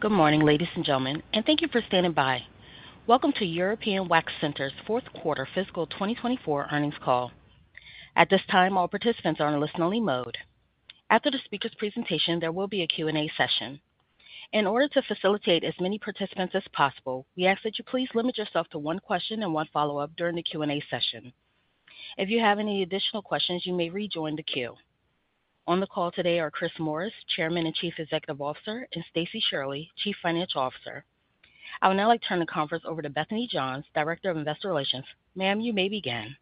Good morning, ladies and gentlemen, and thank you for standing by. Welcome to European Wax Center's Fourth Quarter Fiscal 2024 Earnings Call. At this time, all participants are in listen-only mode. After the speaker's presentation, there will be a Q&A session. In order to facilitate as many participants as possible, we ask that you please limit yourself to one question and one follow-up during the Q&A session. If you have any additional questions, you may rejoin the queue. On the call today are Chris Morris, Chairman and Chief Executive Officer, and Stacie Shirley, Chief Financial Officer. I would now like to turn the conference over to Bethany Johns, Director of Investor Relations. Ma'am, you may begin.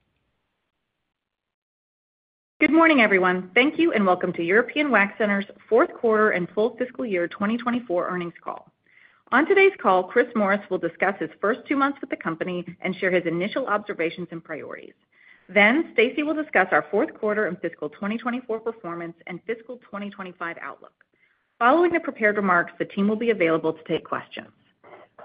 Good morning, everyone. Thank you and welcome to European Wax Center's fourth quarter and full fiscal year 2024 earnings call. On today's call, Chris Morris will discuss his first two months with the company and share his initial observations and priorities. Stacie will discuss our fourth quarter and fiscal 2024 performance and fiscal 2025 outlook. Following the prepared remarks, the team will be available to take questions.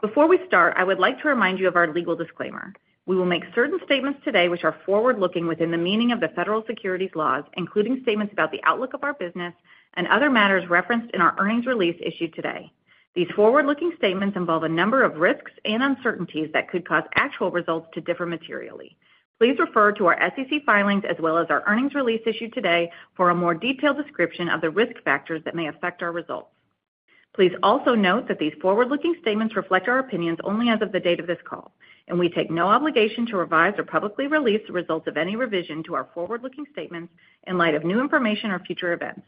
Before we start, I would like to remind you of our legal disclaimer. We will make certain statements today which are forward-looking within the meaning of the federal securities laws, including statements about the outlook of our business and other matters referenced in our earnings release issued today. These forward-looking statements involve a number of risks and uncertainties that could cause actual results to differ materially. Please refer to our SEC filings as well as our earnings release issued today for a more detailed description of the risk factors that may affect our results. Please also note that these forward-looking statements reflect our opinions only as of the date of this call, and we take no obligation to revise or publicly release the results of any revision to our forward-looking statements in light of new information or future events.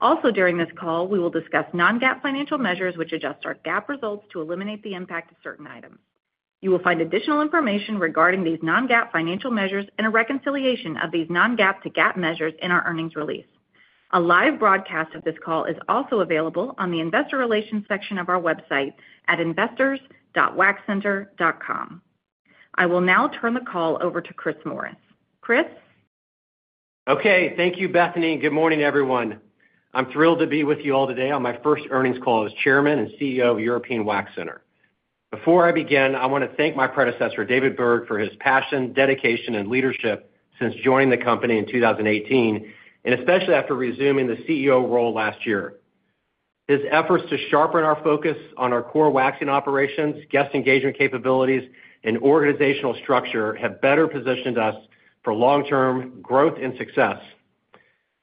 Also, during this call, we will discuss non-GAAP financial measures which adjust our GAAP results to eliminate the impact of certain items. You will find additional information regarding these non-GAAP financial measures and a reconciliation of these non-GAAP to GAAP measures in our earnings release. A live broadcast of this call is also available on the Investor Relations section of our website at investors.waxcenter.com. I will now turn the call over to Chris Morris. Chris. Okay, thank you, Bethany. Good morning, everyone. I'm thrilled to be with you all today on my first earnings call as Chairman and CEO of European Wax Center. Before I begin, I want to thank my predecessor, David Berg, for his passion, dedication, and leadership since joining the company in 2018, and especially after resuming the CEO role last year. His efforts to sharpen our focus on our core waxing operations, guest engagement capabilities, and organizational structure have better positioned us for long-term growth and success.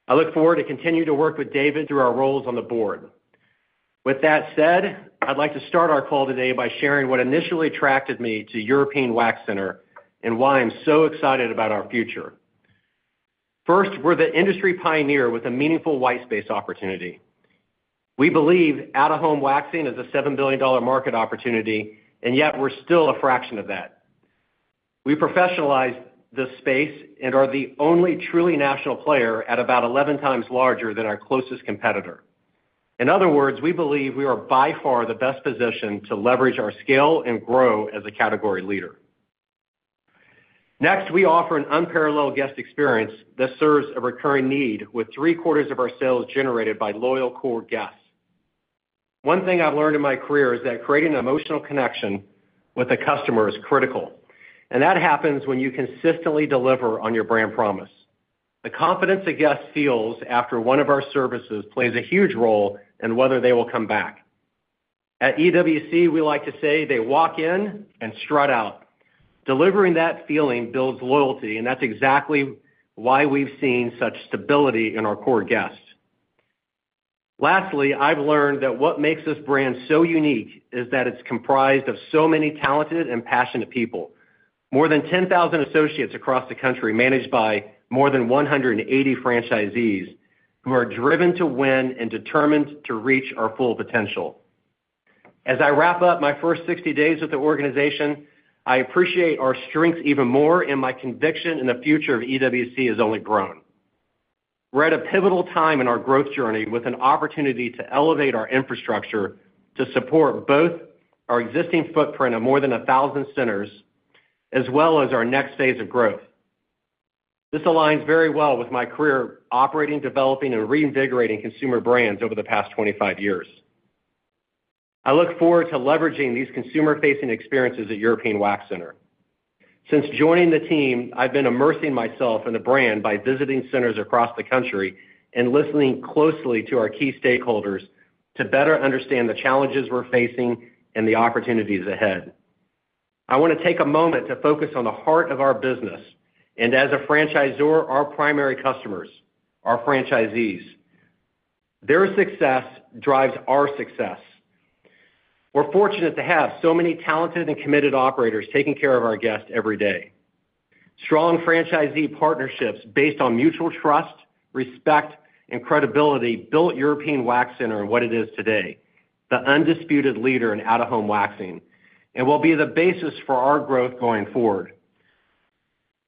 I look forward to continuing to work with David through our roles on the board. With that said, I'd like to start our call today by sharing what initially attracted me to European Wax Center and why I'm so excited about our future. First, we're the industry pioneer with a meaningful white space opportunity. We believe out-of-home waxing is a $7 billion market opportunity, and yet we're still a fraction of that. We professionalize the space and are the only truly national player at about 11 times larger than our closest competitor. In other words, we believe we are by far the best position to leverage our scale and grow as a category leader. Next, we offer an unparalleled guest experience that serves a recurring need, with three quarters of our sales generated by loyal core guests. One thing I've learned in my career is that creating an emotional connection with a customer is critical, and that happens when you consistently deliver on your brand promise. The confidence a guest feels after one of our services plays a huge role in whether they will come back. At EWC, we like to say they walk in and strut out. Delivering that feeling builds loyalty, and that's exactly why we've seen such stability in our core guests. Lastly, I've learned that what makes this brand so unique is that it's comprised of so many talented and passionate people. More than 10,000 associates across the country managed by more than 180 franchisees who are driven to win and determined to reach our full potential. As I wrap up my first 60 days with the organization, I appreciate our strengths even more, and my conviction in the future of European Wax Center has only grown. We're at a pivotal time in our growth journey with an opportunity to elevate our infrastructure to support both our existing footprint of more than 1,000 centers as well as our next phase of growth. This aligns very well with my career operating, developing, and reinvigorating consumer brands over the past 25 years. I look forward to leveraging these consumer-facing experiences at European Wax Center. Since joining the team, I've been immersing myself in the brand by visiting centers across the country and listening closely to our key stakeholders to better understand the challenges we're facing and the opportunities ahead. I want to take a moment to focus on the heart of our business and, as a franchisor, our primary customers, our franchisees. Their success drives our success. We're fortunate to have so many talented and committed operators taking care of our guests every day. Strong franchisee partnerships based on mutual trust, respect, and credibility built European Wax Center in what it is today, the undisputed leader in out-of-home waxing, and will be the basis for our growth going forward.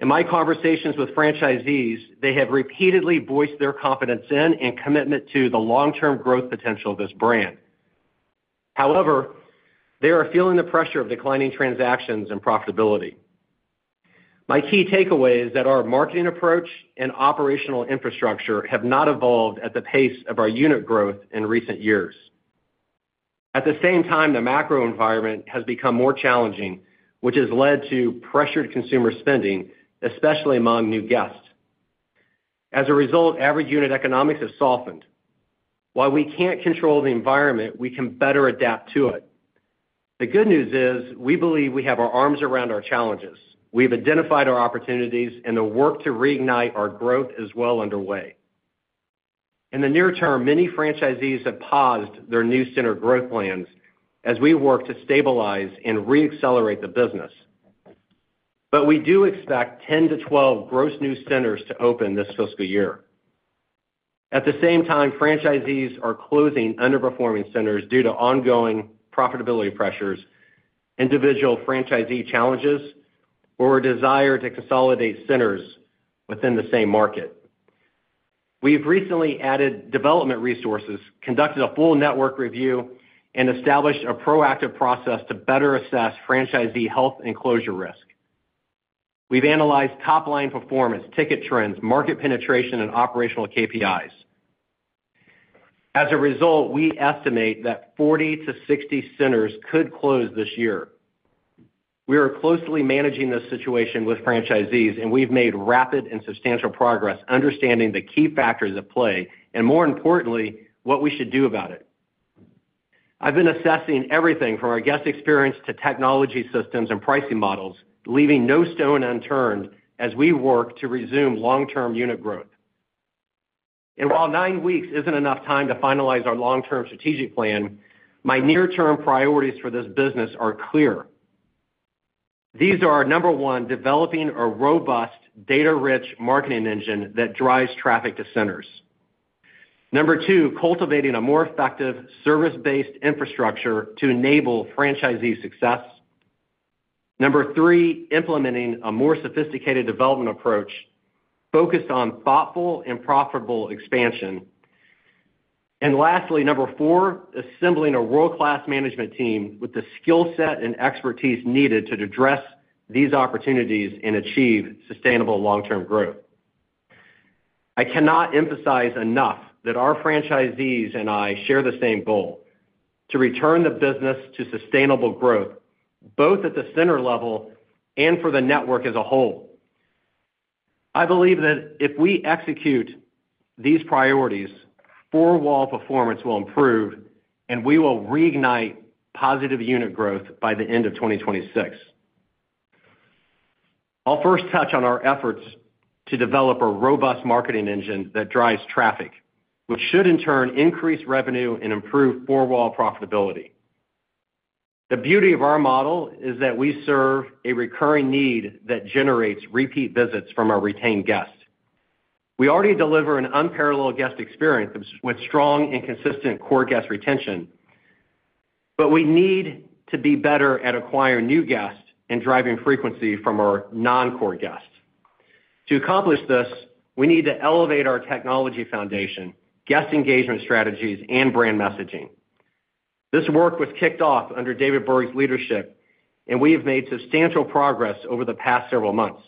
In my conversations with franchisees, they have repeatedly voiced their confidence in and commitment to the long-term growth potential of this brand. However, they are feeling the pressure of declining transactions and profitability. My key takeaway is that our marketing approach and operational infrastructure have not evolved at the pace of our unit growth in recent years. At the same time, the macro environment has become more challenging, which has led to pressured consumer spending, especially among new guests. As a result, average unit economics have softened. While we can't control the environment, we can better adapt to it. The good news is we believe we have our arms around our challenges. We've identified our opportunities, and the work to reignite our growth is well underway. In the near term, many franchisees have paused their new center growth plans as we work to stabilize and reaccelerate the business. We do expect 10-12 gross new centers to open this fiscal year. At the same time, franchisees are closing underperforming centers due to ongoing profitability pressures, individual franchisee challenges, or a desire to consolidate centers within the same market. We've recently added development resources, conducted a full network review, and established a proactive process to better assess franchisee health and closure risk. We've analyzed top-line performance, ticket trends, market penetration, and operational KPIs. As a result, we estimate that 40-60 centers could close this year. We are closely managing this situation with franchisees, and we've made rapid and substantial progress understanding the key factors at play and, more importantly, what we should do about it. I've been assessing everything from our guest experience to technology systems and pricing models, leaving no stone unturned as we work to resume long-term unit growth. While nine weeks isn't enough time to finalize our long-term strategic plan, my near-term priorities for this business are clear. These are: number one, developing a robust, data-rich marketing engine that drives traffic to centers; number two, cultivating a more effective service-based infrastructure to enable franchisee success; number three, implementing a more sophisticated development approach focused on thoughtful and profitable expansion; and lastly, number four, assembling a world-class management team with the skill set and expertise needed to address these opportunities and achieve sustainable long-term growth. I cannot emphasize enough that our franchisees and I share the same goal: to return the business to sustainable growth, both at the center level and for the network as a whole. I believe that if we execute these priorities, four-wall performance will improve, and we will reignite positive unit growth by the end of 2026. I'll first touch on our efforts to develop a robust marketing engine that drives traffic, which should, in turn, increase revenue and improve four-wall profitability. The beauty of our model is that we serve a recurring need that generates repeat visits from our retained guests. We already deliver an unparalleled guest experience with strong and consistent core guest retention, but we need to be better at acquiring new guests and driving frequency from our non-core guests. To accomplish this, we need to elevate our technology foundation, guest engagement strategies, and brand messaging. This work was kicked off under David Berg's leadership, and we have made substantial progress over the past several months.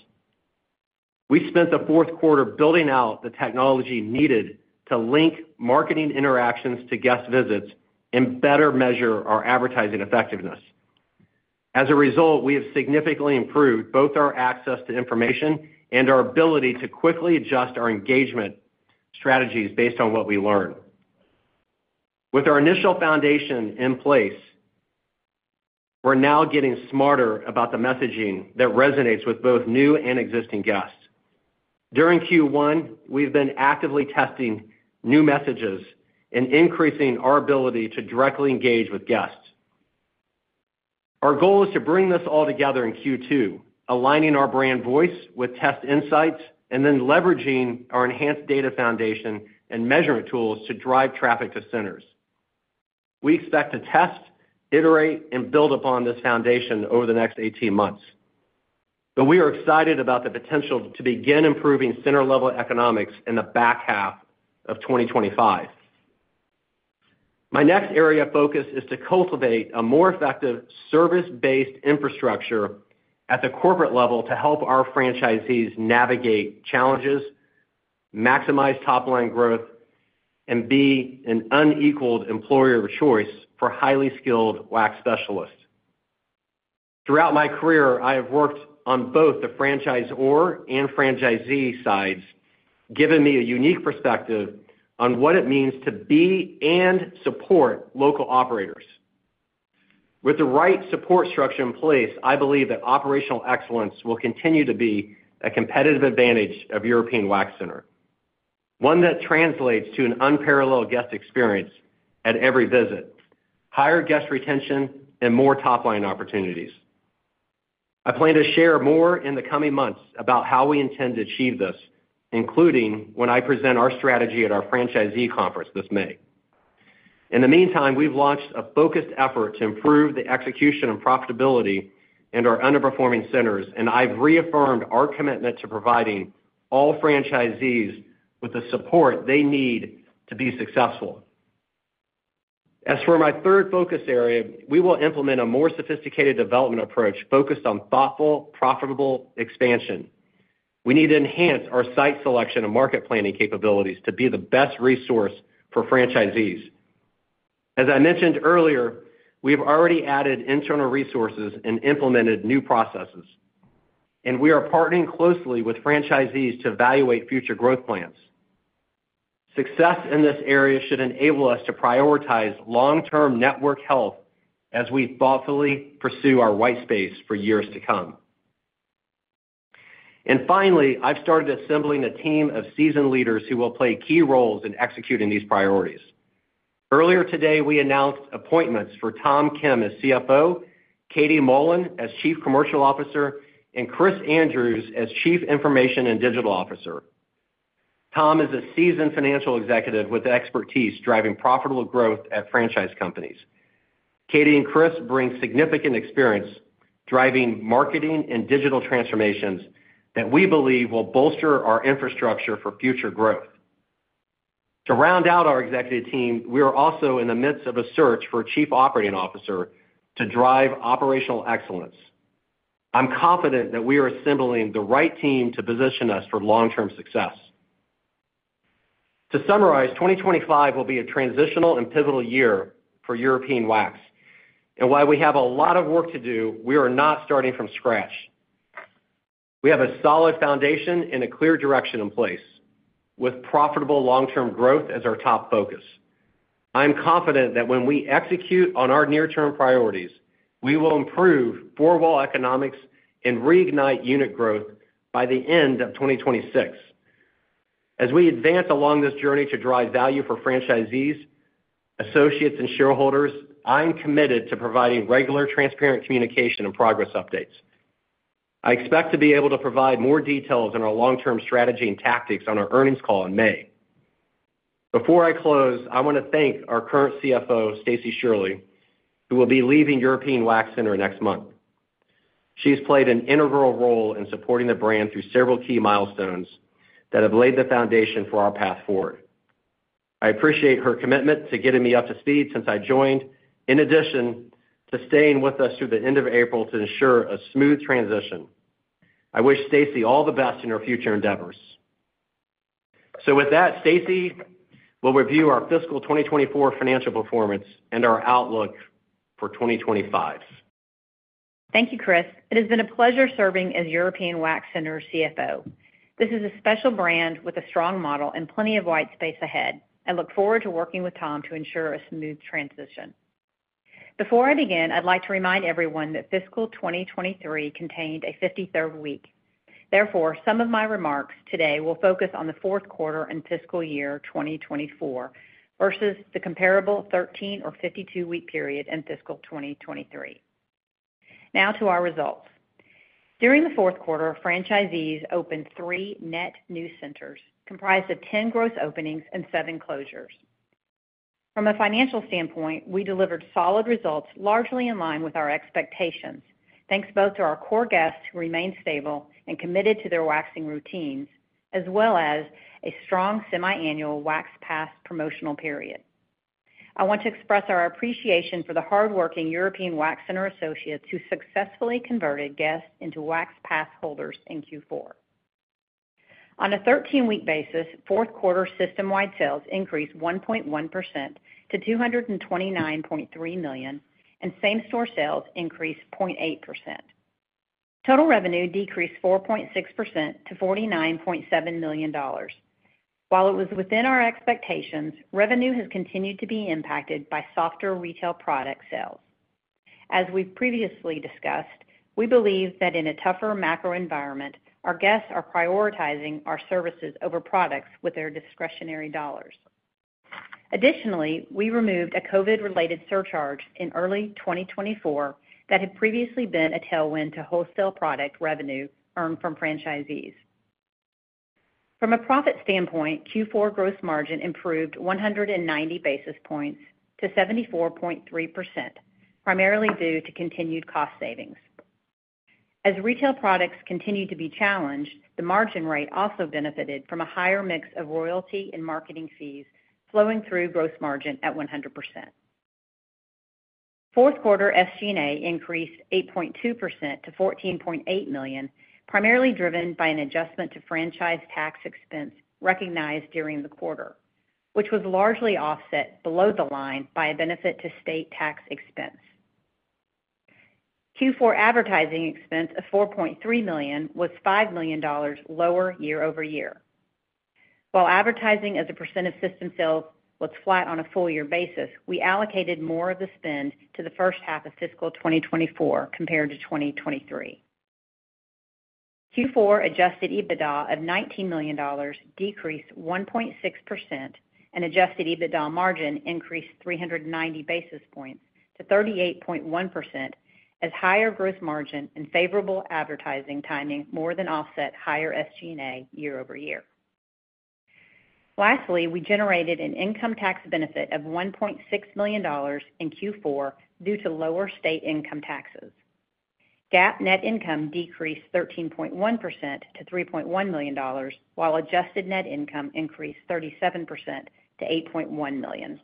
We spent the fourth quarter building out the technology needed to link marketing interactions to guest visits and better measure our advertising effectiveness. As a result, we have significantly improved both our access to information and our ability to quickly adjust our engagement strategies based on what we learn. With our initial foundation in place, we're now getting smarter about the messaging that resonates with both new and existing guests. During Q1, we've been actively testing new messages and increasing our ability to directly engage with guests. Our goal is to bring this all together in Q2, aligning our brand voice with test insights and then leveraging our enhanced data foundation and measurement tools to drive traffic to centers. We expect to test, iterate, and build upon this foundation over the next 18 months. We are excited about the potential to begin improving center-level economics in the back half of 2025. My next area of focus is to cultivate a more effective service-based infrastructure at the corporate level to help our franchisees navigate challenges, maximize top-line growth, and be an unequaled employer of choice for highly skilled wax specialists. Throughout my career, I have worked on both the franchisor and franchisee sides, giving me a unique perspective on what it means to be and support local operators. With the right support structure in place, I believe that operational excellence will continue to be a competitive advantage of European Wax Center, one that translates to an unparalleled guest experience at every visit, higher guest retention, and more top-line opportunities. I plan to share more in the coming months about how we intend to achieve this, including when I present our strategy at our franchisee conference this May. In the meantime, we've launched a focused effort to improve the execution and profitability in our underperforming centers, and I've reaffirmed our commitment to providing all franchisees with the support they need to be successful. As for my third focus area, we will implement a more sophisticated development approach focused on thoughtful, profitable expansion. We need to enhance our site selection and market planning capabilities to be the best resource for franchisees. As I mentioned earlier, we've already added internal resources and implemented new processes, and we are partnering closely with franchisees to evaluate future growth plans. Success in this area should enable us to prioritize long-term network health as we thoughtfully pursue our white space for years to come. Finally, I've started assembling a team of seasoned leaders who will play key roles in executing these priorities. Earlier today, we announced appointments for Tom Kim as CFO, Katie Mullin as Chief Commercial Officer, and Chris Andrews as Chief Information and Digital Officer. Tom is a seasoned financial executive with expertise driving profitable growth at franchise companies. Katie and Chris bring significant experience driving marketing and digital transformations that we believe will bolster our infrastructure for future growth. To round out our executive team, we are also in the midst of a search for a Chief Operating Officer to drive operational excellence. I'm confident that we are assembling the right team to position us for long-term success. To summarize, 2025 will be a transitional and pivotal year for European Wax Center. While we have a lot of work to do, we are not starting from scratch. We have a solid foundation and a clear direction in place, with profitable long-term growth as our top focus. I'm confident that when we execute on our near-term priorities, we will improve four-wall economics and reignite unit growth by the end of 2026. As we advance along this journey to drive value for franchisees, associates, and shareholders, I'm committed to providing regular, transparent communication and progress updates. I expect to be able to provide more details on our long-term strategy and tactics on our earnings call in May. Before I close, I want to thank our current CFO, Stacie Shirley, who will be leaving European Wax Center next month. She's played an integral role in supporting the brand through several key milestones that have laid the foundation for our path forward. I appreciate her commitment to getting me up to speed since I joined, in addition to staying with us through the end of April to ensure a smooth transition. I wish Stacie all the best in her future endeavors. With that, Stacie, we'll review our fiscal 2024 financial performance and our outlook for 2025. Thank you, Chris. It has been a pleasure serving as European Wax Center CFO. This is a special brand with a strong model and plenty of white space ahead. I look forward to working with Tom to ensure a smooth transition. Before I begin, I'd like to remind everyone that fiscal 2023 contained a 53rd week. Therefore, some of my remarks today will focus on the fourth quarter and fiscal year 2024 versus the comparable 13- or 52-week period in fiscal 2023. Now to our results. During the fourth quarter, franchisees opened three net new centers, comprised of 10 gross openings and 7 closures. From a financial standpoint, we delivered solid results, largely in line with our expectations, thanks both to our core guests who remained stable and committed to their waxing routines, as well as a strong semiannual Wax Pass promotional period. I want to express our appreciation for the hardworking European Wax Center associates who successfully converted guests into Wax Pass holders in Q4. On a 13-week basis, fourth quarter system-wide sales increased 1.1% to $229.3 million, and same-store sales increased 0.8%. Total revenue decreased 4.6% to $49.7 million. While it was within our expectations, revenue has continued to be impacted by softer retail product sales. As we've previously discussed, we believe that in a tougher macro environment, our guests are prioritizing our services over products with their discretionary dollars. Additionally, we removed a COVID-related surcharge in early 2024 that had previously been a tailwind to wholesale product revenue earned from franchisees. From a profit standpoint, Q4 gross margin improved 190 basis points to 74.3%, primarily due to continued cost savings. As retail products continued to be challenged, the margin rate also benefited from a higher mix of royalty and marketing fees flowing through gross margin at 100%. Fourth quarter SG&A increased 8.2% to $14.8 million, primarily driven by an adjustment to franchise tax expense recognized during the quarter, which was largely offset below the line by a benefit to state tax expense. Q4 advertising expense of $4.3 million was $5 million lower year-over-year. While advertising as a percent of system sales was flat on a full-year basis, we allocated more of the spend to the first half of fiscal 2024 compared to 2023. Q4 Adjusted EBITDA of $19 million decreased 1.6%, and Adjusted EBITDA margin increased 390 basis points to 38.1% as higher gross margin and favorable advertising timing more than offset higher SG&A year-over-year. Lastly, we generated an income tax benefit of $1.6 million in Q4 due to lower state income taxes. GAAP net income decreased 13.1% to $3.1 million, while adjusted net income increased 37% to $8.1 million.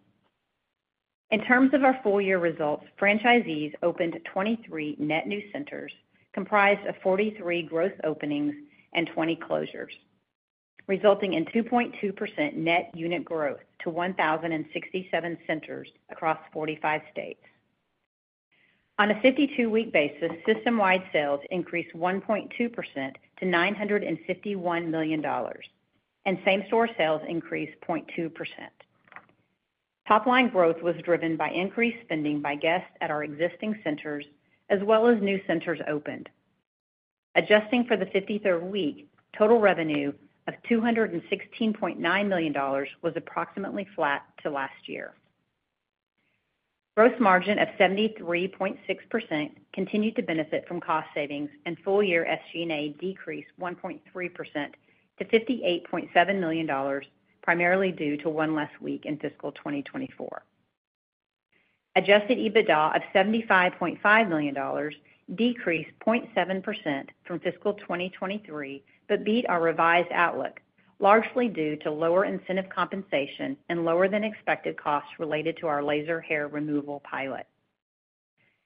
In terms of our full-year results, franchisees opened 23 net new centers, comprised of 43 gross openings and 20 closures, resulting in 2.2% net unit growth to 1,067 centers across 45 states. On a 52-week basis, system-wide sales increased 1.2% to $951 million, and same-store sales increased 0.2%. Top-line growth was driven by increased spending by guests at our existing centers, as well as new centers opened. Adjusting for the 53rd week, total revenue of $216.9 million was approximately flat to last year. Gross margin of 73.6% continued to benefit from cost savings, and full-year SG&A decreased 1.3% to $58.7 million, primarily due to one less week in fiscal 2024. Adjusted EBITDA of $75.5 million decreased 0.7% from fiscal 2023 but beat our revised outlook, largely due to lower incentive compensation and lower-than-expected costs related to our laser hair removal pilot.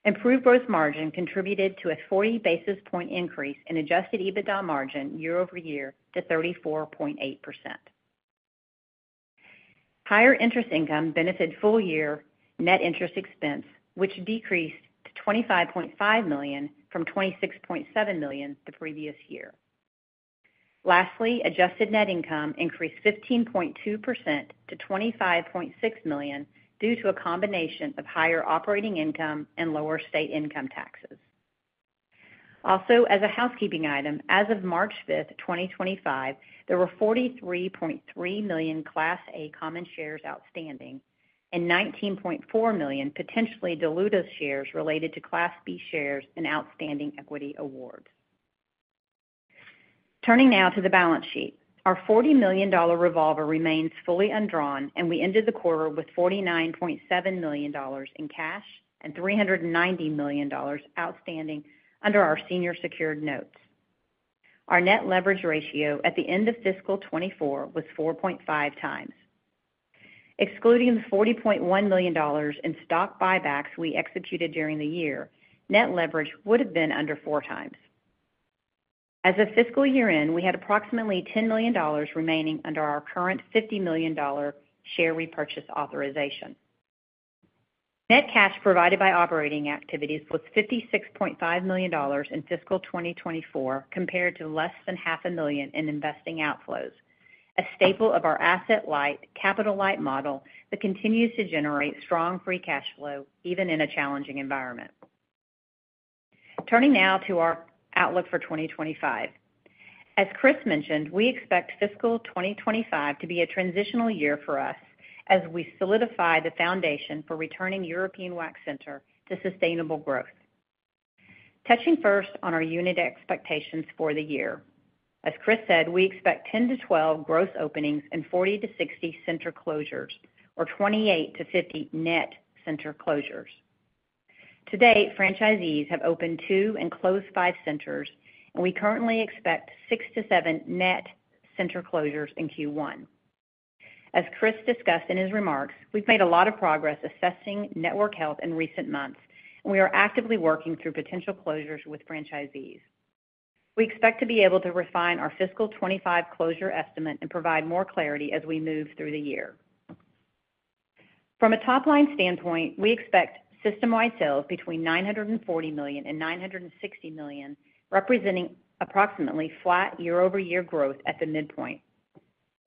Improved gross margin contributed to a 40 basis point increase in Adjusted EBITDA margin year-over-year to 34.8%. Higher interest income benefited full-year net interest expense, which decreased to $25.5 million from $26.7 million the previous year. Lastly, adjusted net income increased 15.2% to $25.6 million due to a combination of higher operating income and lower state income taxes. Also, as a housekeeping item, as of March 5th, 2025, there were 43.3 million Class A common shares outstanding and 19.4 million potentially diluted shares related to Class B shares and outstanding equity awards. Turning now to the balance sheet, our $40 million revolver remains fully undrawn, and we ended the quarter with $49.7 million in cash and $390 million outstanding under our senior secured notes. Our net leverage ratio at the end of fiscal 2024 was 4.5x. Excluding the $40.1 million in stock buybacks we executed during the year, net leverage would have been under four times. As of fiscal year-end, we had approximately $10 million remaining under our current $50 million share repurchase authorization. Net cash provided by operating activities was $56.5 million in fiscal 2024, compared to less than $500,000 in investing outflows, a staple of our asset-light, capital-light model that continues to generate strong free cash flow even in a challenging environment. Turning now to our outlook for 2025. As Chris mentioned, we expect fiscal 2025 to be a transitional year for us as we solidify the foundation for returning European Wax Center to sustainable growth. Touching first on our unit expectations for the year. As Chris said, we expect 10-12 gross openings and 40-60 center closures, or 28-50 net center closures. To date, franchisees have opened two and closed five centers, and we currently expect six to seven net center closures in Q1. As Chris discussed in his remarks, we've made a lot of progress assessing network health in recent months, and we are actively working through potential closures with franchisees. We expect to be able to refine our fiscal 2025 closure estimate and provide more clarity as we move through the year. From a top-line standpoint, we expect system-wide sales between $940 million and $960 million, representing approximately flat year-over-year growth at the midpoint,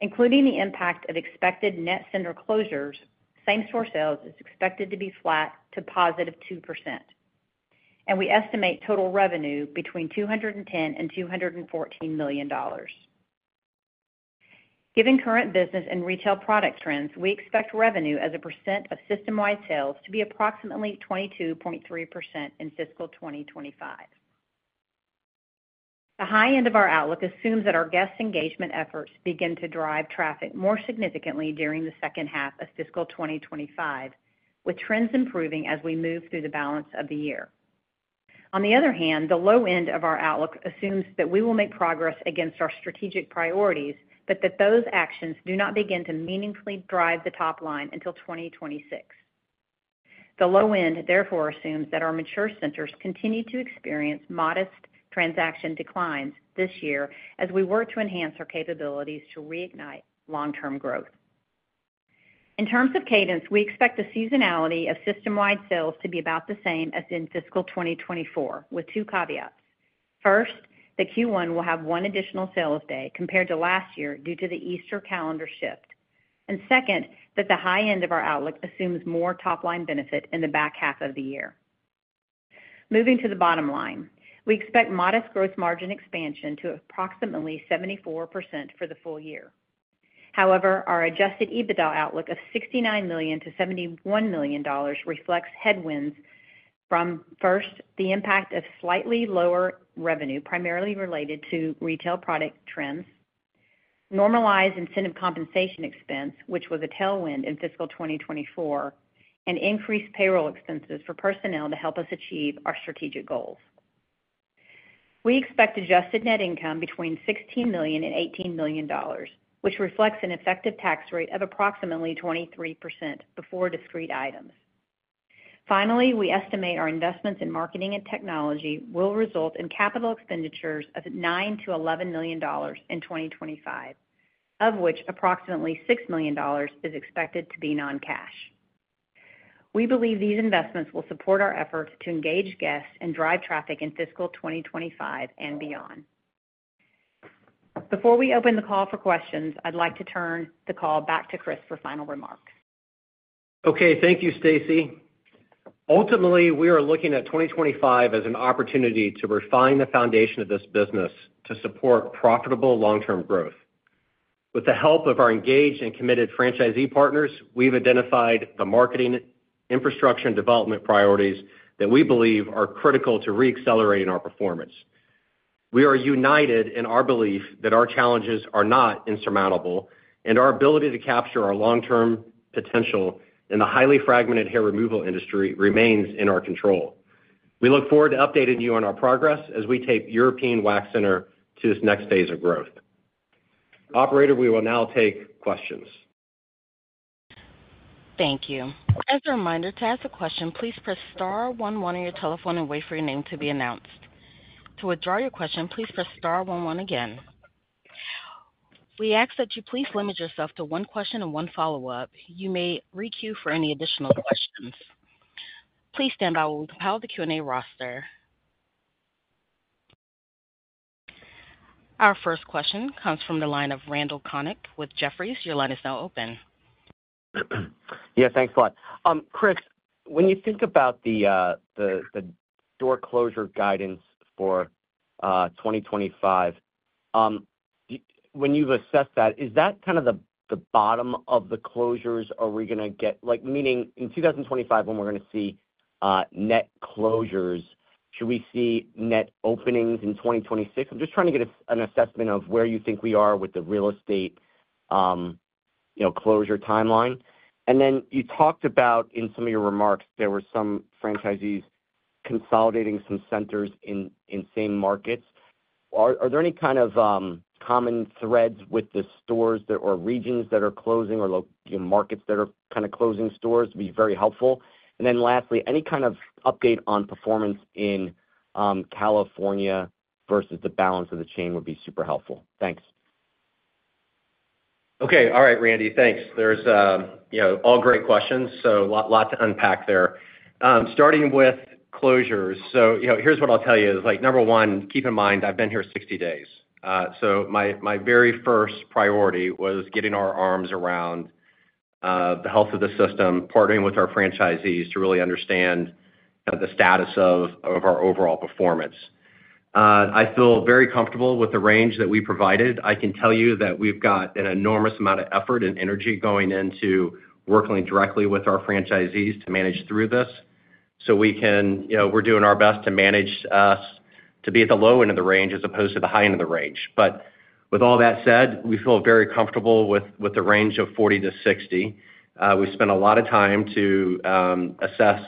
including the impact of expected net center closures. Same-store sales is expected to be flat to positive 2%, and we estimate total revenue between $210 million and $214 million. Given current business and retail product trends, we expect revenue as a percent of system-wide sales to be approximately 22.3% in fiscal 2025. The high end of our outlook assumes that our guest engagement efforts begin to drive traffic more significantly during the second half of fiscal 2025, with trends improving as we move through the balance of the year. On the other hand, the low end of our outlook assumes that we will make progress against our strategic priorities, but that those actions do not begin to meaningfully drive the top line until 2026. The low end, therefore, assumes that our mature centers continue to experience modest transaction declines this year as we work to enhance our capabilities to reignite long-term growth. In terms of cadence, we expect the seasonality of system-wide sales to be about the same as in fiscal 2024, with two caveats. First, that Q1 will have one additional sales day compared to last year due to the Easter calendar shift. Second, the high end of our outlook assumes more top-line benefit in the back half of the year. Moving to the bottom line, we expect modest gross margin expansion to approximately 74% for the full year. However, our adjusted EBITDA outlook of $69 million-$71 million reflects headwinds from, first, the impact of slightly lower revenue, primarily related to retail product trends, normalized incentive compensation expense, which was a tailwind in fiscal 2024, and increased payroll expenses for personnel to help us achieve our strategic goals. We expect adjusted net income between $16 million and $18 million, which reflects an effective tax rate of approximately 23% before discrete items. Finally, we estimate our investments in marketing and technology will result in capital expenditures of $9 million-$11 million in 2025, of which approximately $6 million is expected to be non-cash. We believe these investments will support our efforts to engage guests and drive traffic in fiscal 2025 and beyond. Before we open the call for questions, I'd like to turn the call back to Chris for final remarks. Okay, thank you, Stacie. Ultimately, we are looking at 2025 as an opportunity to refine the foundation of this business to support profitable long-term growth. With the help of our engaged and committed franchisee partners, we've identified the marketing infrastructure and development priorities that we believe are critical to re-accelerating our performance. We are united in our belief that our challenges are not insurmountable, and our ability to capture our long-term potential in the highly fragmented hair removal industry remains in our control. We look forward to updating you on our progress as we take European Wax Center to its next phase of growth. Operator, we will now take questions. Thank you. As a reminder, to ask a question, please press star one one on your telephone and wait for your name to be announced. To withdraw your question, please press star one one again. We ask that you please limit yourself to one question and one follow-up. You may re-queue for any additional questions. Please stand by while we compile the Q&A roster. Our first question comes from the line of Randal Konik with Jefferies. Your line is now open. Yeah, thanks a lot. Chris, when you think about the door closure guidance for 2025, when you've assessed that, is that kind of the bottom of the closures? Are we going to get, like, meaning in 2025 when we're going to see net closures, should we see net openings in 2026? I'm just trying to get an assessment of where you think we are with the real estate closure timeline. You talked about in some of your remarks there were some franchisees consolidating some centers in same markets. Are there any kind of common threads with the stores or regions that are closing or markets that are kind of closing stores? It'd be very helpful. Lastly, any kind of update on performance in California versus the balance of the chain would be super helpful. Thanks. Okay, all right, Randy, thanks. Those are all great questions, so a lot to unpack there. Starting with closures, here's what I'll tell you is, number one, keep in mind I've been here 60 days. My very first priority was getting our arms around the health of the system, partnering with our franchisees to really understand the status of our overall performance. I feel very comfortable with the range that we provided. I can tell you that we've got an enormous amount of effort and energy going into working directly with our franchisees to manage through this. We are doing our best to manage us to be at the low end of the range as opposed to the high end of the range. With all that said, we feel very comfortable with the range of 40-60. We spent a lot of time to assess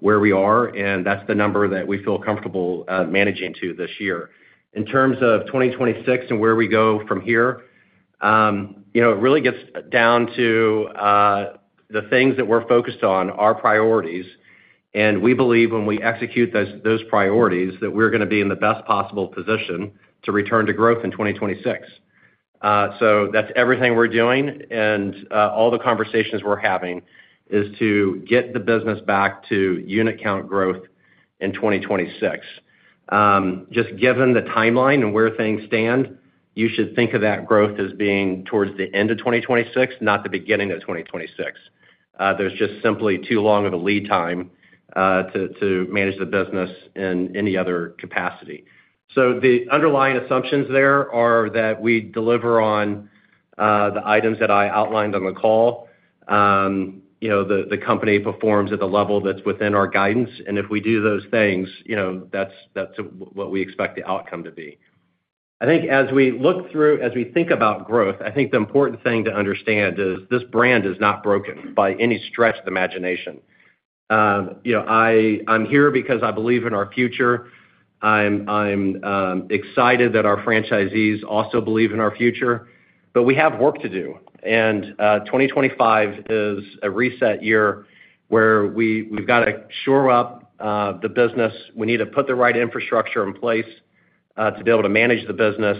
where we are, and that's the number that we feel comfortable managing to this year. In terms of 2026 and where we go from here, it really gets down to the things that we're focused on, our priorities, and we believe when we execute those priorities that we're going to be in the best possible position to return to growth in 2026. That's everything we're doing, and all the conversations we're having is to get the business back to unit count growth in 2026. Just given the timeline and where things stand, you should think of that growth as being towards the end of 2026, not the beginning of 2026. There's just simply too long of a lead time to manage the business in any other capacity. The underlying assumptions there are that we deliver on the items that I outlined on the call. The company performs at the level that's within our guidance, and if we do those things, that's what we expect the outcome to be. I think as we look through, as we think about growth, I think the important thing to understand is this brand is not broken by any stretch of the imagination. I'm here because I believe in our future. I'm excited that our franchisees also believe in our future, but we have work to do, and 2025 is a reset year where we've got to shore up the business. We need to put the right infrastructure in place to be able to manage the business,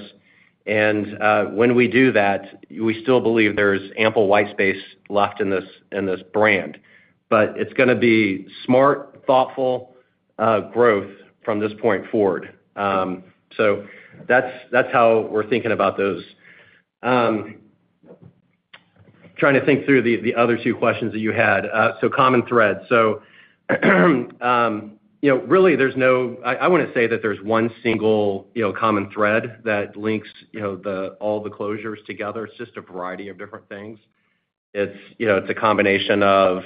and when we do that, we still believe there's ample white space left in this brand, but it's going to be smart, thoughtful growth from this point forward. That is how we're thinking about those. Trying to think through the other two questions that you had. Common threads. Really, there's no, I wouldn't say that there's one single common thread that links all the closures together. It's just a variety of different things. It's a combination of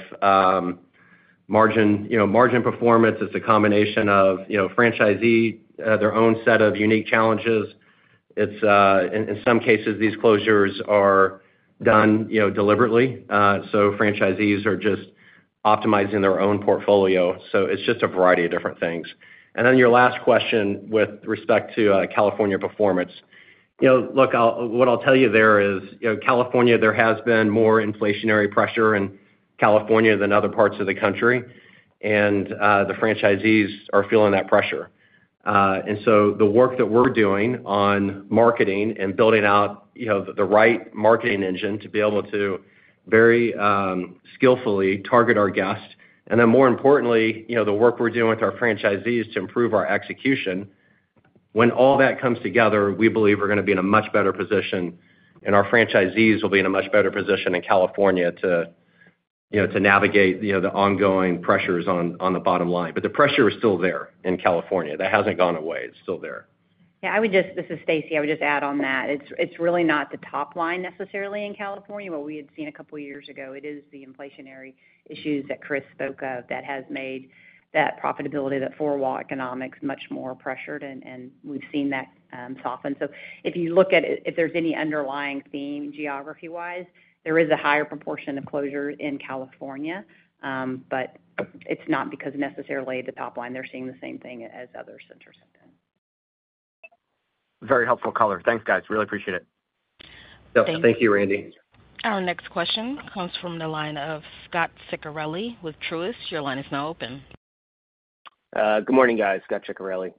margin performance. It's a combination of franchisees, their own set of unique challenges. In some cases, these closures are done deliberately, so franchisees are just optimizing their own portfolio. It's just a variety of different things. Your last question with respect to California performance. Look, what I'll tell you there is California, there has been more inflationary pressure in California than other parts of the country, and the franchisees are feeling that pressure. The work that we're doing on marketing and building out the right marketing engine to be able to very skillfully target our guests, and then more importantly, the work we're doing with our franchisees to improve our execution, when all that comes together, we believe we're going to be in a much better position, and our franchisees will be in a much better position in California to navigate the ongoing pressures on the bottom line. The pressure is still there in California. That hasn't gone away. It's still there. Yeah, I would just, this is Stacie, I would just add on that. It's really not the top line necessarily in California, what we had seen a couple of years ago. It is the inflationary issues that Chris spoke of that has made that profitability of that four-wall economics much more pressured, and we've seen that soften. If you look at it, if there's any underlying theme geography-wise, there is a higher proportion of closures in California, but it's not because necessarily the top line. They're seeing the same thing as other centers have been. Very helpful color. Thanks, guys. Really appreciate it. Thank you, Randy. Our next question comes from the line of Scot Ciccarelli with Truist. Your line is now open. Good morning, guys. Scot Ciccarelli.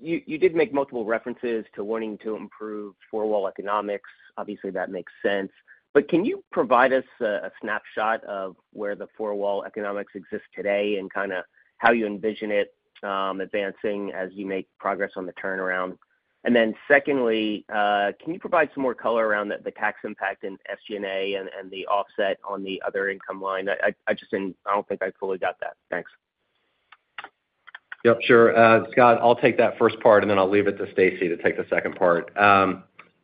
You did make multiple references to wanting to improve four-wall economics. Obviously, that makes sense. But can you provide us a snapshot of where the four-wall economics exist today and kind of how you envision it advancing as you make progress on the turnaround? And then secondly, can you provide some more color around the tax impact in SG&A and the offset on the other income line? I just didn't, I don't think I fully got that. Thanks. Yep, sure. Scott, I'll take that first part, and then I'll leave it to Stacie to take the second part.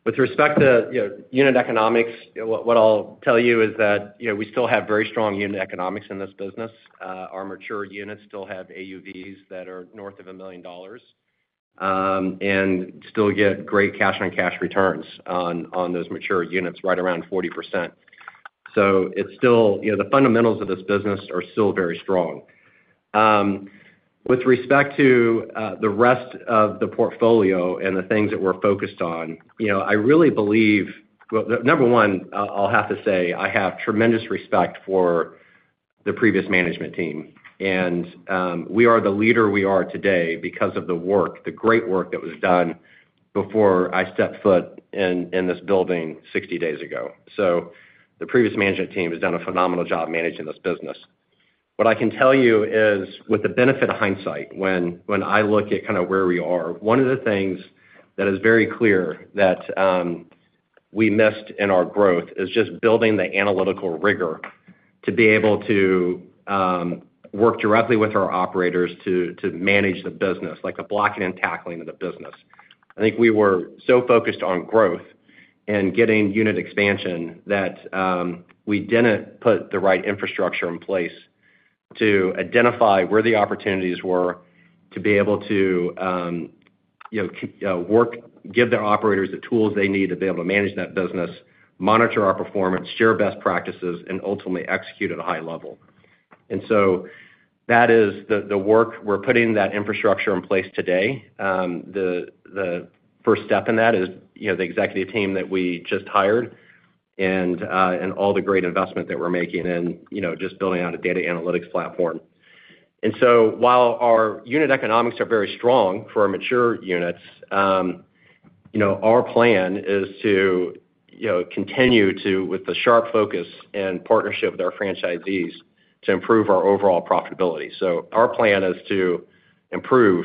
With respect to unit economics, what I'll tell you is that we still have very strong unit economics in this business. Our mature units still have AUVs that are north of a million dollars and still get great cash-on-cash returns on those mature units, right around 40%. So it's still, the fundamentals of this business are still very strong. With respect to the rest of the portfolio and the things that we're focused on, I really believe, number one, I'll have to say I have tremendous respect for the previous management team. We are the leader we are today because of the work, the great work that was done before I stepped foot in this building 60 days ago. The previous management team has done a phenomenal job managing this business. What I can tell you is, with the benefit of hindsight, when I look at kind of where we are, one of the things that is very clear that we missed in our growth is just building the analytical rigor to be able to work directly with our operators to manage the business, like the blocking and tackling of the business. I think we were so focused on growth and getting unit expansion that we didn't put the right infrastructure in place to identify where the opportunities were to be able to work, give the operators the tools they need to be able to manage that business, monitor our performance, share best practices, and ultimately execute at a high level. That is the work. We're putting that infrastructure in place today. The first step in that is the executive team that we just hired and all the great investment that we're making in just building out a data analytics platform. While our unit economics are very strong for our mature units, our plan is to continue to, with the sharp focus and partnership with our franchisees, improve our overall profitability. Our plan is to improve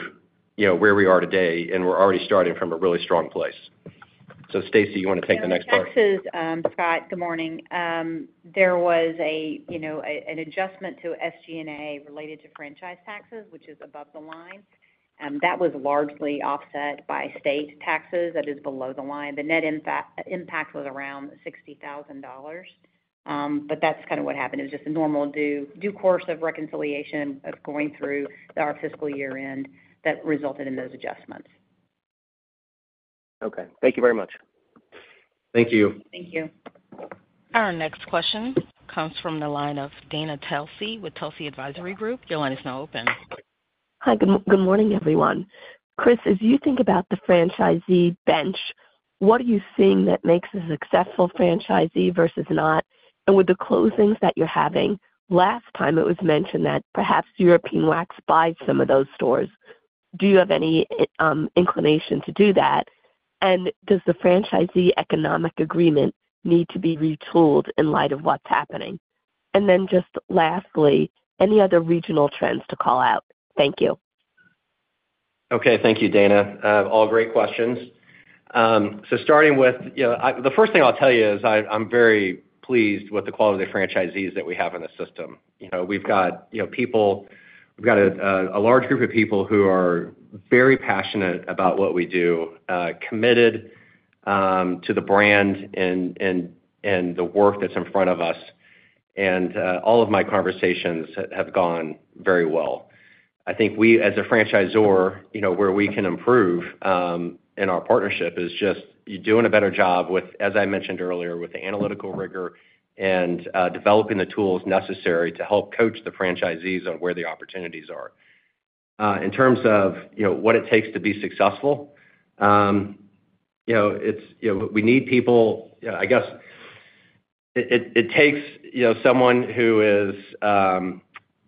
where we are today, and we're already starting from a really strong place. Stacie, you want to take the next part? This is Scott. Good morning. There was an adjustment to SG&A related to franchise taxes, which is above the line. That was largely offset by state taxes that is below the line. The net impact was around $60,000, but that's kind of what happened. It was just a normal due course of reconciliation of going through our fiscal year-end that resulted in those adjustments. Okay. Thank you very much. Thank you. Thank you. Our next question comes from the line of Dana Telsey with Telsey Advisory Group. Your line is now open. Hi. Good morning, everyone. Chris, as you think about the franchisee bench, what are you seeing that makes a successful franchisee versus not? With the closings that you're having, last time it was mentioned that perhaps European Wax Center buys some of those stores. Do you have any inclination to do that? Does the franchisee economic agreement need to be retooled in light of what's happening? Lastly, any other regional trends to call out? Thank you. Thank you, Dana. All great questions. Starting with the first thing, I'll tell you I am very pleased with the quality of the franchisees that we have in the system. We've got people, we've got a large group of people who are very passionate about what we do, committed to the brand and the work that's in front of us. All of my conversations have gone very well. I think we, as a franchisor, where we can improve in our partnership is just doing a better job with, as I mentioned earlier, with the analytical rigor and developing the tools necessary to help coach the franchisees on where the opportunities are. In terms of what it takes to be successful, we need people. I guess it takes someone who is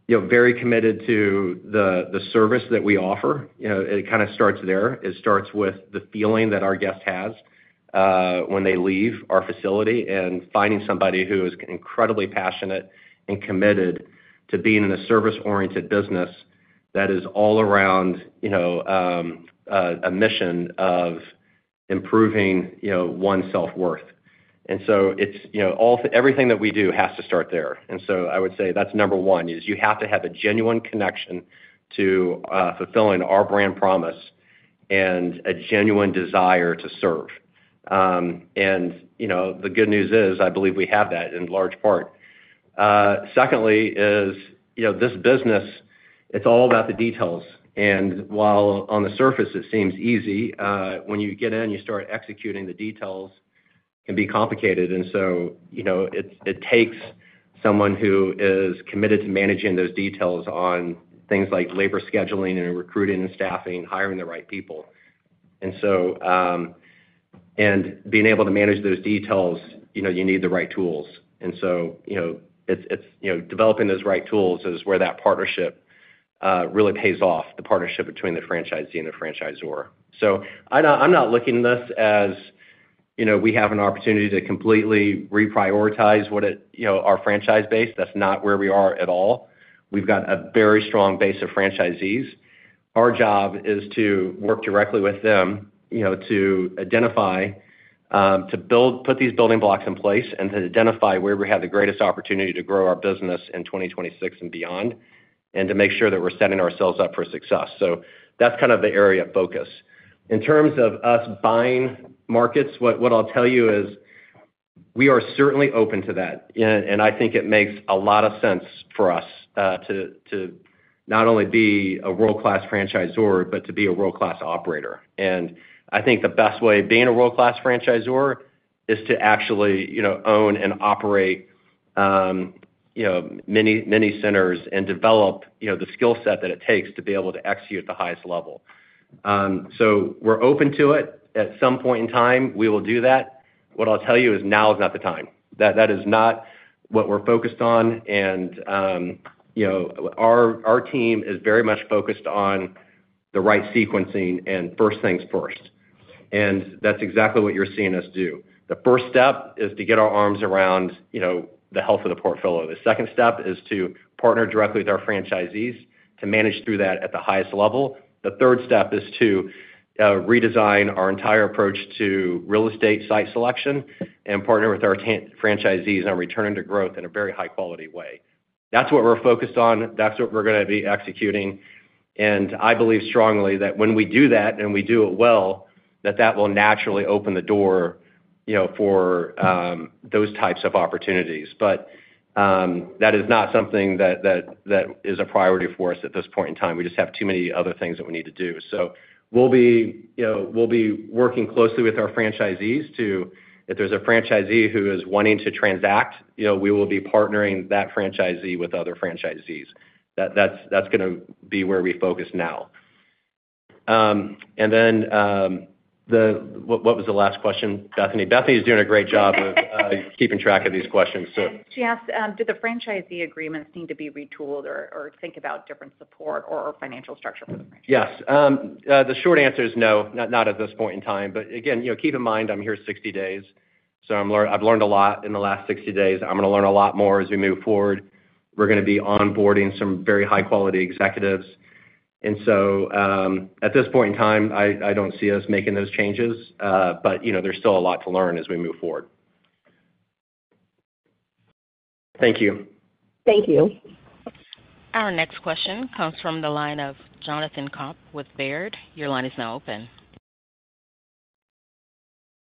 very committed to the service that we offer. It kind of starts there. It starts with the feeling that our guest has when they leave our facility and finding somebody who is incredibly passionate and committed to being in a service-oriented business that is all around a mission of improving one's self-worth. Everything that we do has to start there. I would say that's number one, you have to have a genuine connection to fulfilling our brand promise and a genuine desire to serve. The good news is I believe we have that in large part. Secondly, this business is all about the details. While on the surface it seems easy, when you get in, you start executing the details, it can be complicated. It takes someone who is committed to managing those details on things like labor scheduling and recruiting and staffing, hiring the right people. Being able to manage those details, you need the right tools. Developing those right tools is where that partnership really pays off, the partnership between the franchisee and the franchisor. I'm not looking at this as we have an opportunity to completely reprioritize our franchise base. That's not where we are at all. We've got a very strong base of franchisees. Our job is to work directly with them to identify, to put these building blocks in place, and to identify where we have the greatest opportunity to grow our business in 2026 and beyond, and to make sure that we're setting ourselves up for success. That's kind of the area of focus. In terms of us buying markets, what I'll tell you is we are certainly open to that, and I think it makes a lot of sense for us to not only be a world-class franchisor, but to be a world-class operator. I think the best way of being a world-class franchisor is to actually own and operate many centers and develop the skill set that it takes to be able to execute at the highest level. We're open to it. At some point in time, we will do that. What I'll tell you is now is not the time. That is not what we're focused on. Our team is very much focused on the right sequencing and first things first. That is exactly what you're seeing us do. The first step is to get our arms around the health of the portfolio. The second step is to partner directly with our franchisees to manage through that at the highest level. The third step is to redesign our entire approach to real estate site selection and partner with our franchisees on returning to growth in a very high-quality way. That is what we're focused on. That is what we're going to be executing. I believe strongly that when we do that and we do it well, that will naturally open the door for those types of opportunities. That is not something that is a priority for us at this point in time. We just have too many other things that we need to do. We will be working closely with our franchisees to, if there is a franchisee who is wanting to transact, we will be partnering that franchisee with other franchisees. That is going to be where we focus now. What was the last question, Bethany? Bethany is doing a great job of keeping track of these questions. She asked, do the franchisee agreements need to be retooled or think about different support or financial structure for the franchisee? Yes. The short answer is no, not at this point in time. Again, keep in mind I am here 60 days. I have learned a lot in the last 60 days. I am going to learn a lot more as we move forward. We're going to be onboarding some very high-quality executives. At this point in time, I don't see us making those changes, but there's still a lot to learn as we move forward. Thank you. Thank you. Our next question comes from the line of Jonathan Komp with Baird. Your line is now open.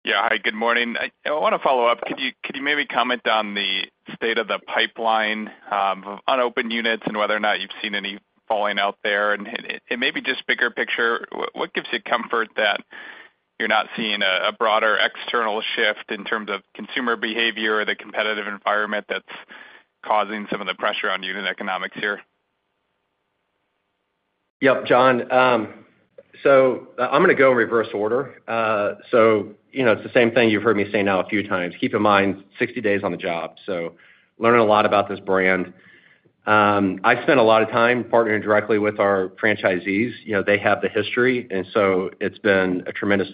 Yeah. Hi. Good morning. I want to follow up. Could you maybe comment on the state of the pipeline of unopened units and whether or not you've seen any falling out there? Maybe just bigger picture, what gives you comfort that you're not seeing a broader external shift in terms of consumer behavior or the competitive environment that's causing some of the pressure on unit economics here? Yep, Jonathan. I'm going to go in reverse order. It's the same thing you've heard me say now a few times. Keep in mind, 60 days on the job. Learning a lot about this brand. I spent a lot of time partnering directly with our franchisees. They have the history, and so it's been a tremendous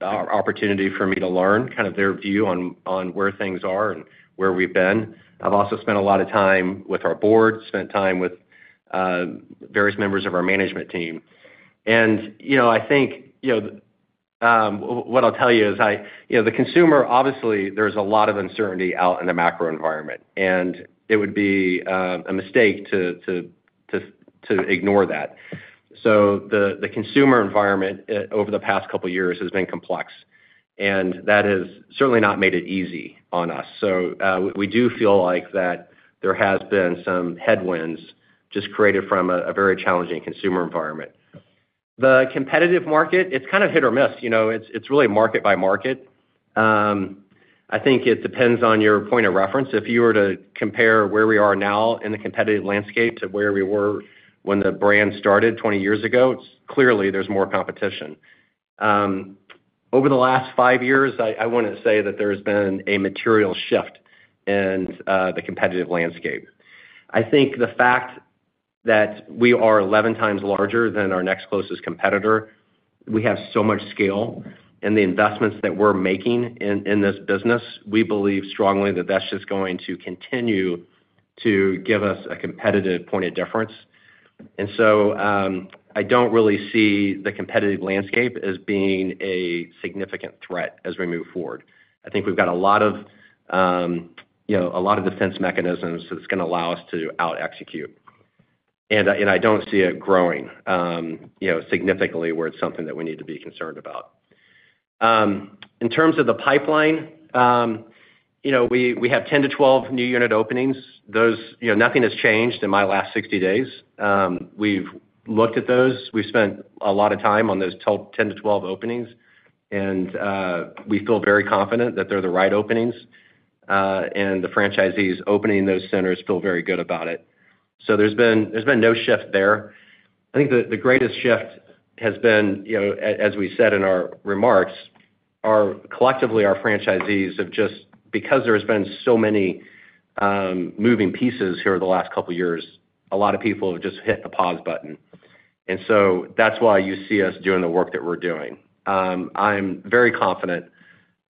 opportunity for me to learn kind of their view on where things are and where we've been. I have also spent a lot of time with our board, spent time with various members of our management team. I think what I'll tell you is the consumer, obviously, there's a lot of uncertainty out in the macro environment, and it would be a mistake to ignore that. The consumer environment over the past couple of years has been complex, and that has certainly not made it easy on us. We do feel like that there has been some headwinds just created from a very challenging consumer environment. The competitive market, it's kind of hit or miss. It's really market by market. I think it depends on your point of reference. If you were to compare where we are now in the competitive landscape to where we were when the brand started 20 years ago, clearly there's more competition. Over the last five years, I wouldn't say that there has been a material shift in the competitive landscape. I think the fact that we are 11 times larger than our next closest competitor, we have so much scale in the investments that we're making in this business. We believe strongly that that's just going to continue to give us a competitive point of difference. I don't really see the competitive landscape as being a significant threat as we move forward. I think we've got a lot of defense mechanisms that's going to allow us to out-execute. I don't see it growing significantly where it's something that we need to be concerned about. In terms of the pipeline, we have 10-12 new unit openings. Nothing has changed in my last 60 days. We've looked at those. We've spent a lot of time on those 10-12 openings, and we feel very confident that they're the right openings. The franchisees opening those centers feel very good about it. There's been no shift there. I think the greatest shift has been, as we said in our remarks, collectively our franchisees have just, because there has been so many moving pieces here over the last couple of years, a lot of people have just hit the pause button. That's why you see us doing the work that we're doing. I'm very confident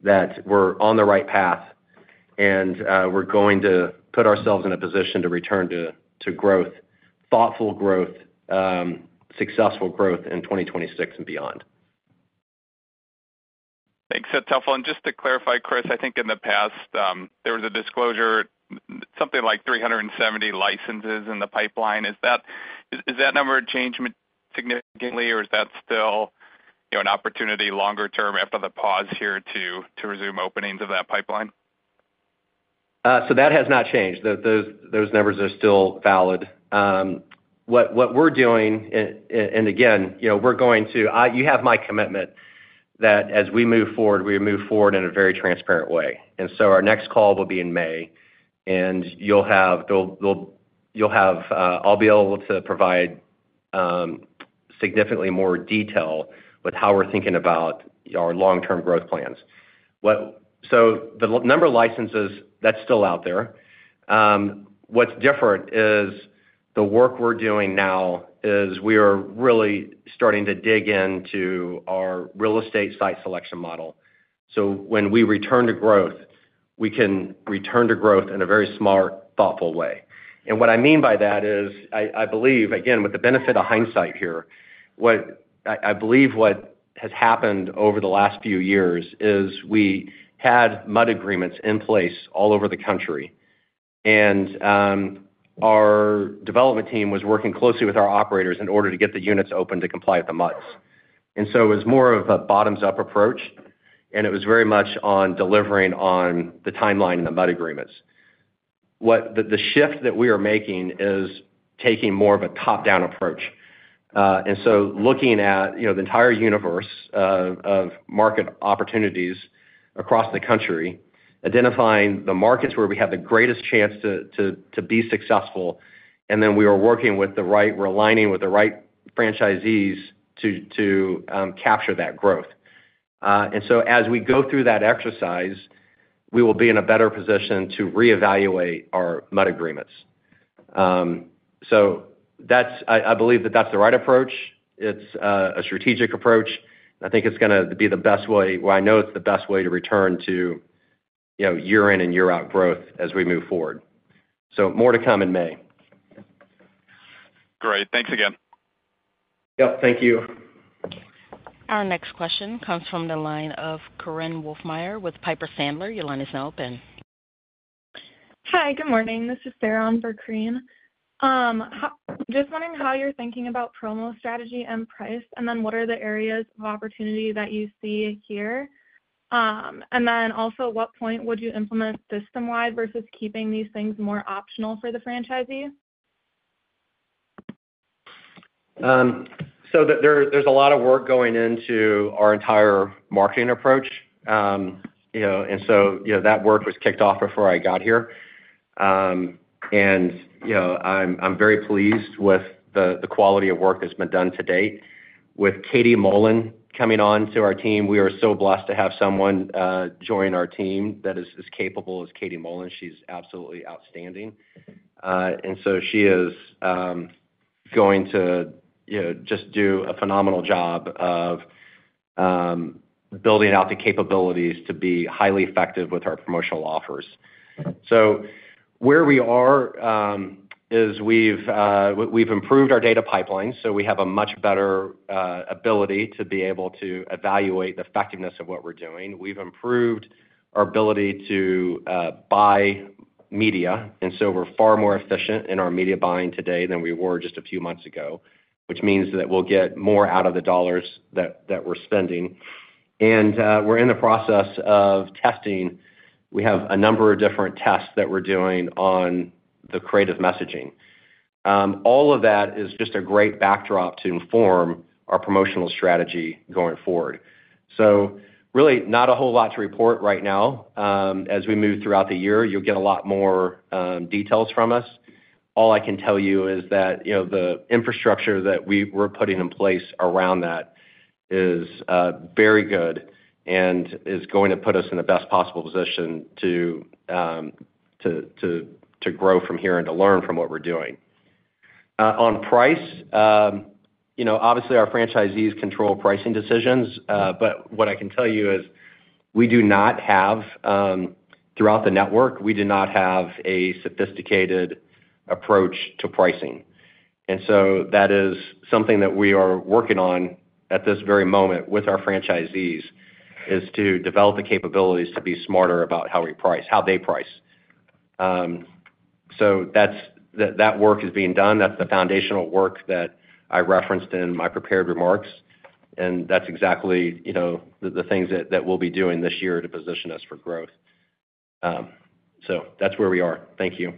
that we're on the right path, and we're going to put ourselves in a position to return to growth, thoughtful growth, successful growth in 2026 and beyond. Thanks. That's helpful. Just to clarify, Chris, I think in the past there was a disclosure, something like 370 licenses in the pipeline. Has that number changed significantly, or is that still an opportunity longer term after the pause here to resume openings of that pipeline? That has not changed. Those numbers are still valid. What we're doing, and again, you have my commitment that as we move forward, we move forward in a very transparent way. Our next call will be in May, and you'll have I'll be able to provide significantly more detail with how we're thinking about our long-term growth plans. The number of licenses, that's still out there. What's different is the work we're doing now is we are really starting to dig into our real estate site selection model. When we return to growth, we can return to growth in a very smart, thoughtful way. What I mean by that is I believe, again, with the benefit of hindsight here, I believe what has happened over the last few years is we had MUD agreements in place all over the country, and our development team was working closely with our operators in order to get the units open to comply with the MUDs. It was more of a bottoms-up approach, and it was very much on delivering on the timeline and the MUD agreements. The shift that we are making is taking more of a top-down approach. Looking at the entire universe of market opportunities across the country, identifying the markets where we have the greatest chance to be successful, and then we are working with the right, we are aligning with the right franchisees to capture that growth. As we go through that exercise, we will be in a better position to reevaluate our MUD agreements. I believe that is the right approach. It is a strategic approach. I think it is going to be the best way, or I know it is the best way to return to year-in and year-out growth as we move forward. More to come in May. Great. Thanks again. Yep. Thank you. Our next question comes from the line of Korinne Wolfmeyer with Piper Sandler. Your line is now open. Hi. Good morning. This is Sarah on for Korinne. Just wondering how you're thinking about promo strategy and price, and then what are the areas of opportunity that you see here. Also, at what point would you implement system-wide versus keeping these things more optional for the franchisee? There is a lot of work going into our entire marketing approach. That work was kicked off before I got here. I am very pleased with the quality of work that has been done to date. With Katie Mullin coming on to our team, we are so blessed to have someone join our team that is as capable as Katie Mullin. She is absolutely outstanding. She is going to just do a phenomenal job of building out the capabilities to be highly effective with our promotional offers. Where we are is we've improved our data pipelines, so we have a much better ability to be able to evaluate the effectiveness of what we're doing. We've improved our ability to buy media, and we are far more efficient in our media buying today than we were just a few months ago, which means that we'll get more out of the dollars that we're spending. We are in the process of testing. We have a number of different tests that we're doing on the creative messaging. All of that is just a great backdrop to inform our promotional strategy going forward. Really, not a whole lot to report right now. As we move throughout the year, you'll get a lot more details from us. All I can tell you is that the infrastructure that we're putting in place around that is very good and is going to put us in the best possible position to grow from here and to learn from what we're doing. On price, obviously, our franchisees control pricing decisions, but what I can tell you is we do not have, throughout the network, we do not have a sophisticated approach to pricing. That is something that we are working on at this very moment with our franchisees is to develop the capabilities to be smarter about how they price. That work is being done. That's the foundational work that I referenced in my prepared remarks, and that's exactly the things that we'll be doing this year to position us for growth. That's where we are. Thank you.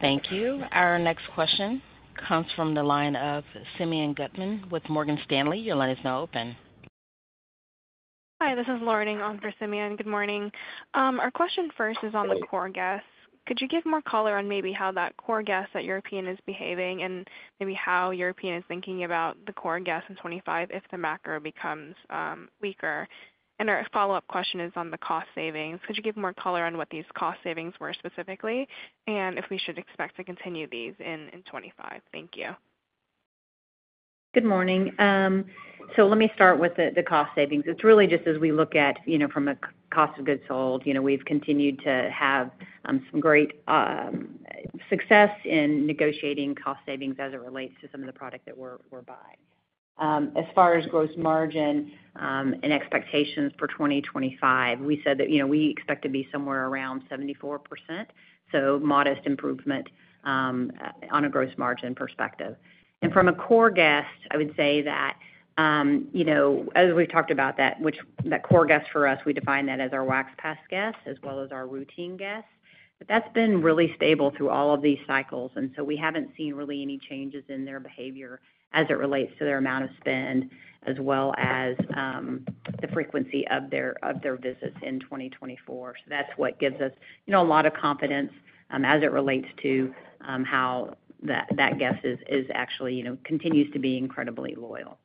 Thank you. Our next question comes from the line of Simeon Gutman with Morgan Stanley. Your line is now open. Hi. This is Lauren on for Simeon. Good morning. Our question first is on the core guest. Could you give more color on maybe how that core guest at European is behaving and maybe how European is thinking about the core guest in 2025 if the macro becomes weaker? Our follow-up question is on the cost savings. Could you give more color on what these cost savings were specifically and if we should expect to continue these in 2025? Thank you. Good morning. Let me start with the cost savings. It's really just as we look at from a cost of goods sold, we've continued to have some great success in negotiating cost savings as it relates to some of the product that we're buying. As far as gross margin and expectations for 2025, we said that we expect to be somewhere around 74%, so modest improvement on a gross margin perspective. From a core guest, I would say that as we've talked about that, that core guest for us, we define that as our Wax Pass guest as well as our routine guest. That has been really stable through all of these cycles, and we haven't seen really any changes in their behavior as it relates to their amount of spend as well as the frequency of their visits in 2024. That is what gives us a lot of confidence as it relates to how that guest actually continues to be incredibly loyal.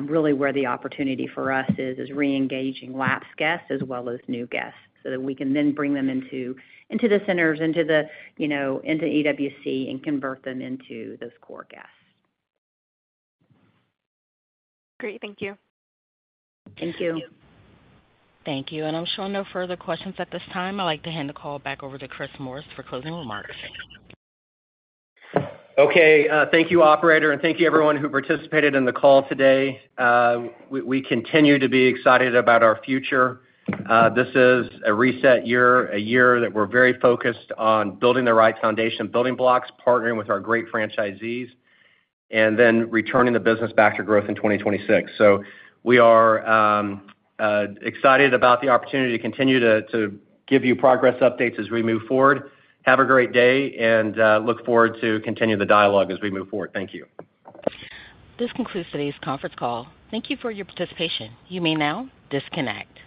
Really, where the opportunity for us is re-engaging lapsed guests as well as new guests so that we can then bring them into the centers, into EWC, and convert them into those core guests. Great. Thank you. Thank you. Thank you. I am sure no further questions at this time. I would like to hand the call back over to Chris Morris for closing remarks. Thank you, operator, and thank you, everyone who participated in the call today. We continue to be excited about our future. This is a reset year, a year that we are very focused on building the right foundation, building blocks, partnering with our great franchisees, and then returning the business back to growth in 2026. We are excited about the opportunity to continue to give you progress updates as we move forward. Have a great day and look forward to continuing the dialogue as we move forward. Thank you. This concludes today's conference call. Thank you for your participation. You may now disconnect.